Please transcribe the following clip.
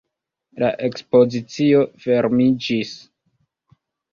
La ekspozicio fermiĝis.